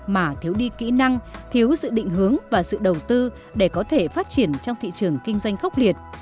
mà thiếu đi kỹ năng thiếu sự định hướng và sự đầu tư để có thể phát triển trong thị trường kinh doanh khốc liệt